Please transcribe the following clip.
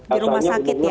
di rumah sakit ya